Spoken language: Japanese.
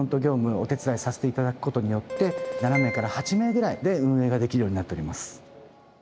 おてつだいさせていただくことによって７めいから８めいぐらいでうんえいができるようになっております。